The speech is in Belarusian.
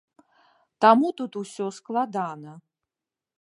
Таму тут усё складана.